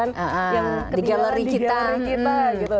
yang ketiga di galeri kita